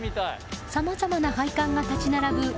さまざまな配管が立ち並ぶ